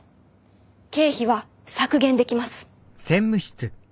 経費は削減できます。